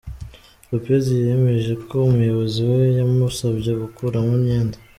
Lopez yemeje ko umuyobozi we yamusabye gukuramo imyenda.